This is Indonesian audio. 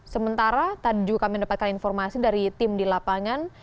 sementara tadi juga kami mendapatkan informasi dari tim di lapangan